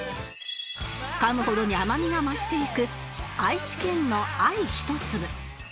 かむほどに甘みが増していく愛知県の愛ひとつぶ